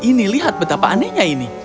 ini lihat betapa anehnya ini